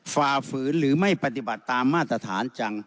ฝ่าฝืนหรือไม่ปฏิบัติตามมาตรฐานจัง